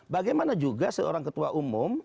bagaimana juga seorang ketua umum